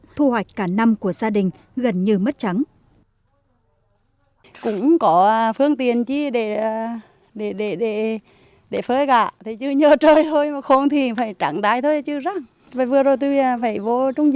thu hoạch cả năm của gia đình gần như mất trắng